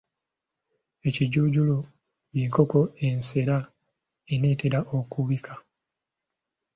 Ekijuujulu y’enkoko enseera eneetera okubiika.